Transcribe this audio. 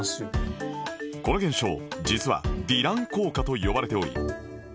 この現象実はディラン効果と呼ばれており